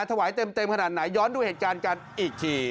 ถวายเต็มขนาดไหนย้อนดูเหตุการณ์กันอีกที